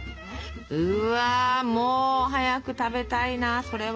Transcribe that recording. うわも早く食べたいなそれは。